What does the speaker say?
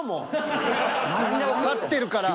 立ってるから。